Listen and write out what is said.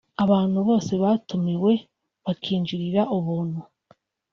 abantu bose batumiwe bakinjirira ubuntu